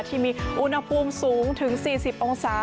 ที่มีอุณหภูมิสูงถึง๔๐องศา